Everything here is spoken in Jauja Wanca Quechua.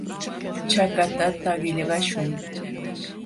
Chakatata qillqaśhun.